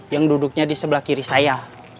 yang duduknya di sebelah kiri saya